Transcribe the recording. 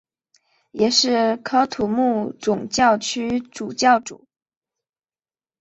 也是喀土穆总教区总主教。